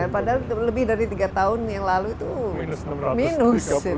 padahal lebih dari tiga tahun yang lalu itu minus